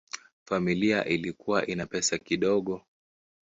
Familia ilikuwa ina pesa kidogo.